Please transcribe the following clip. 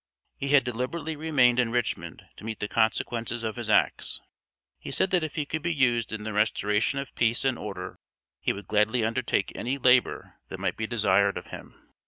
He had deliberately remained in Richmond to meet the consequences of his acts. He said that if he could be used in the restoration of peace and order, he would gladly undertake any labor that might be desired of him.